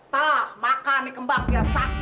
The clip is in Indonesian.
tak makan dikembang biar sakit